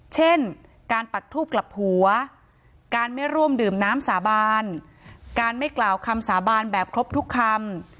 เช่นการปักทูบกลับหัวการไม่ร่วมดื่มน้ำสาบานการไม่กล่าวคำสาบานแบบครบทุกคำ